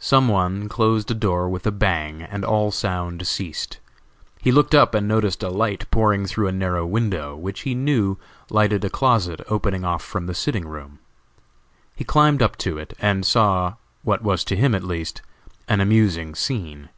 Some one closed a door with a bang, and all sound ceased. He looked up and noticed a light pouring through a narrow window, which he knew lighted a closet opening off from the sitting room. He climbed up to it and saw, what was to him at least, an amusing scene.